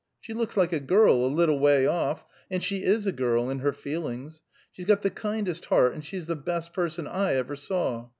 She looks like a girl, a little way off; and she is a girl, in her feelings. She's got the kindest heart, and she's the best person I ever saw.